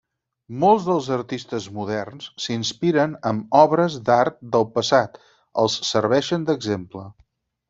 Molts dels artistes moderns s'inspiren amb obres d'art del passat, els serveixen d'exemple.